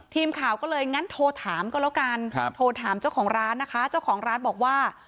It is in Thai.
ทีมข่าวก็เลยงั้นโทรถามก็แล้วกันโทรถามเจ้าของร้านนะคะเจ้าของร้านบอกว่า